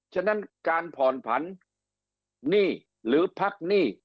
ฉะนั้นการผ่อนผันหนี้หรือพักหนี้